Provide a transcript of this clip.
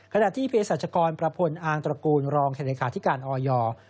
ขณะที่เพศรัชกรประพลอางตระกูลรองแค่เลขาธิการออย